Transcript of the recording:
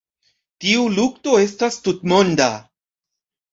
Tiu lukto estas tutmonda.